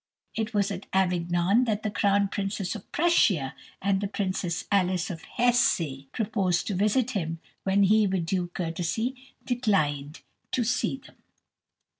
It was at Avignon that the Crown Princess of Prussia and the Princess Alice of Hesse proposed to visit him, when he, with due courtesy, declined to see them.